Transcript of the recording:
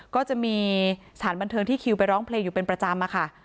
ก็จะมีสถานบันเทิงที่คิวไปร้องเพลงอยู่เป็นประจำอะค่ะ